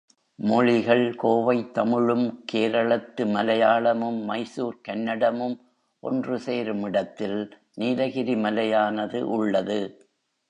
மொழிகள் கோவைத்தமிழும், கேரளத்து மலையாளமும், மைசூர்க் கன்னடமும் ஒன்று சேரும் இடத்தில் நீலகிரி மலையானது உள்ளது.